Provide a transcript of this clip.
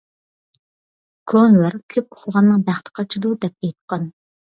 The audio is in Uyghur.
كونىلار كۆپ ئۇخلىغاننىڭ بەختى قاچىدۇ دەپ ئېيتقان.